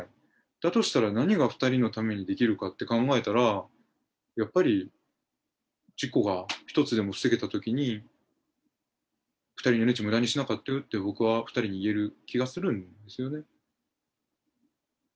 だとしたら、何が２人のためにできるかって考えたら、やっぱり、事故が一つでも防げたときに、２人の命、むだにしなかったよって、僕は２人に言える気がするんですよね。